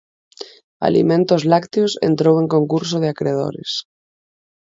Alimentos Lácteos entrou en concurso de acredores.